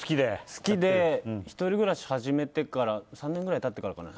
好きで、１人暮らしを始めて３年ぐらい経ってからかな。